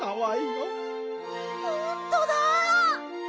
ほんとだ！